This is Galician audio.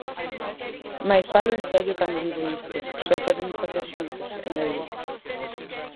Mais falo en serio cando digo isto: só o podemos facer xuntos, engadiu.